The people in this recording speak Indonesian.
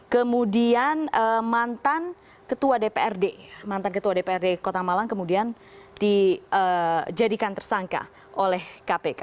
kemudian mantan ketua dprd kota malang kemudian dijadikan tersangka oleh kpk